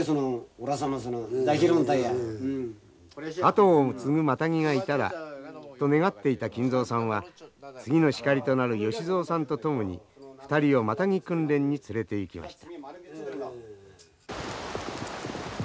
後を継ぐマタギがいたらと願っていた金蔵さんは次のシカリとなるよしぞうさんと共に２人をマタギ訓練に連れていきました。